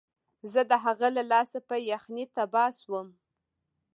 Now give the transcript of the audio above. زه د هغه له لاسه په یخنۍ تباه شوم